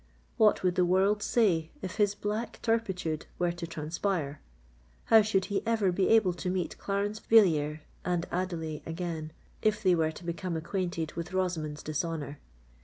What would the world say if his black turpitude were to transpire?—how should he ever be able to meet Clarence Villiers and Adelais again, if they were to become acquainted with Rosamond's dishonour?